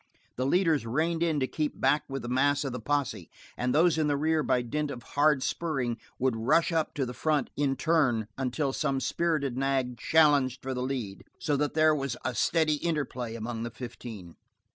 The leaders reined in to keep back with the mass of the posse, and those in the rear by dint of hard spurring would rush up to the front in turn until some spirited nag challenged for the lead, so that there was a steady interplay among the fifteen.